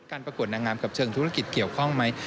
ประกวดนางงามกับเชิงธุรกิจเกี่ยวข้องไหม